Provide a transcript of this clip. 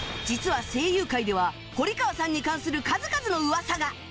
実は声優界では堀川さんに関する数々の噂が